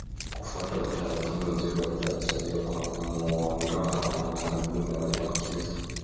Kufuata utaratibu mzuri wa uzalishaji kwa kuwaondoa wanyama wa dume walioambukizwa